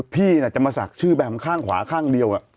พี่จะมาศักดิ์ชื่อแบมข้างขวาข้างเดียว